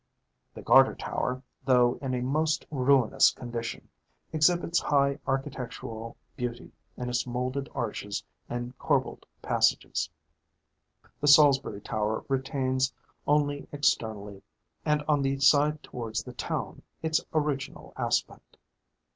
The Garter Tower, though in a most ruinous condition, exhibits high architectural beauty in its moulded arches and corbelled passages. The Salisbury Tower retains only externally, and on the side towards the town, its original aspect.